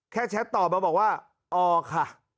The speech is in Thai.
แค่แชทตอบมาบอกว่าอ๋อค่ะ